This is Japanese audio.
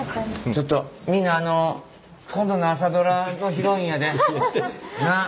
ちょっとみんなあの今度の「朝ドラ」のヒロインやで。なあ。